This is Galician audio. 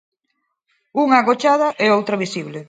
Unha agochada e outra visible.